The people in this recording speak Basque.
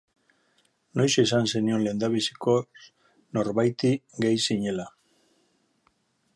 Noiz esan zenion lehendabizikoz norbaiti gay zinela.